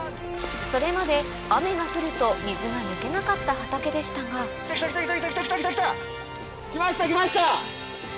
それまで雨が降ると水が抜けなかった畑でしたが来た来た来た来た！来ました来ました！